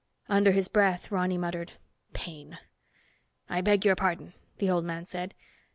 Under his breath, Ronny muttered, "Paine!" "I beg your pardon," the old man said.